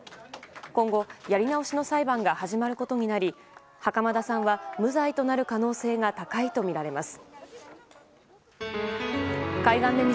今後、やり直しの裁判が始まることになり袴田さんは無罪となる可能性が高いとみられます。